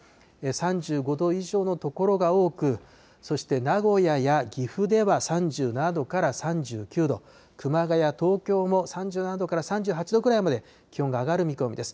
３５度以上の所が多く、そして名古屋や岐阜では３７度から３９度、熊谷、東京も３７度から３８度くらいまで気温が上がる見込みです。